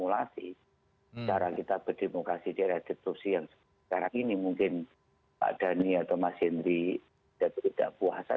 karena kita sudah memformulasi cara kita berdemokrasi di atas institusi yang sekarang ini mungkin pak dhani atau mas hendri tidak puasa